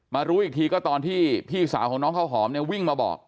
รู้อีกทีก็ตอนที่พี่สาวของน้องข้าวหอมเนี่ยวิ่งมาบอก